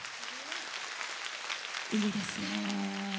いいですね。